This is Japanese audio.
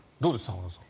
浜田さん。